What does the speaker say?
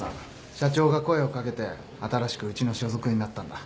社長が声を掛けて新しくうちの所属になったんだ。